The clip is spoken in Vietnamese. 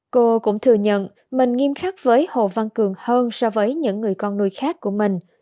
cô cũng thừa nhận mình nghiêm khắc với hồ văn cường hơn so với những người con nuôi khác của mình